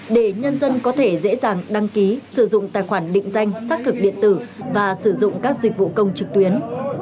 để nhân dân có thể dễ dàng đăng ký sử dụng tài khoản định danh xác thực điện tử và sử dụng các dịch vụ công trực tuyến